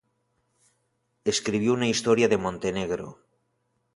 Escribió una historia de Montenegro.